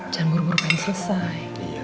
jangan buru buru kali selesai